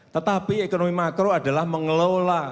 tetapi ekonomi makro adalah mengelola agregat agregat produksi